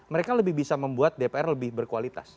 mereka lebih bisa membuat dpr lebih berkualitas